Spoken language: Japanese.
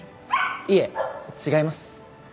いえ違います。